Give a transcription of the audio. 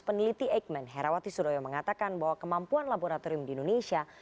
peneliti eikman herawati sudoyo mengatakan bahwa kemampuan laboratorium di indonesia